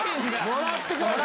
もらってください。